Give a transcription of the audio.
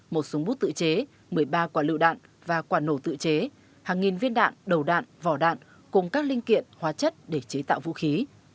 một súng bút tự chế một mươi ba quả lựu đạn và quả nổ tự chế hàng nghìn viên đạn đầu đạn vỏ đạn cùng các linh kiện hóa chất để chế tạo vũ khí